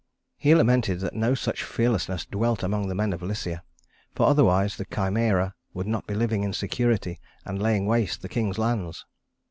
He lamented that no such fearlessness dwelt among the men of Lycia, for otherwise the Chimæra would not be living in security and laying waste the king's lands.